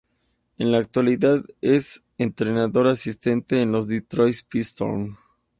En la actualidad es entrenador asistente en los Detroit Pistons.